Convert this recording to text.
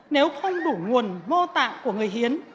nếu không đủ nguồn mô tạng của người hiến